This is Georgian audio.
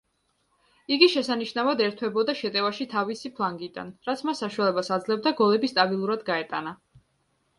იგი შესანიშნავად ერთვებოდა შეტევაში თავისი ფლანგიდან, რაც მას საშუალებას აძლევდა გოლები სტაბილურად გაეტანა.